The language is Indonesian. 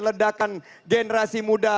ledakan generasi muda